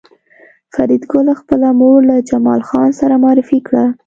فریدګل خپله مور له جمال خان سره معرفي کړه